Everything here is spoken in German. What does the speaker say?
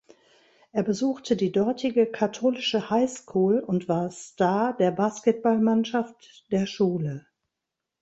Er besuchte die dortige katholische High School und war Star der Basketballmannschaft der Schule.